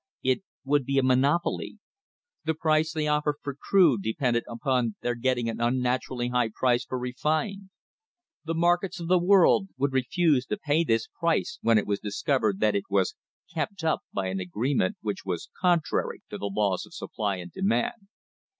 It would be a monopoly. The price they offered for crude depended upon their getting an unnaturally high price for refined. The markets of the world would refuse to pay this price when it was discovered that it was kept up by an agree ment which was contrary to the laws of supply and demand.